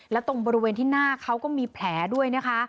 และตรงบริเวณที่หน้าเขาก็มีแผลด้วยนะคะ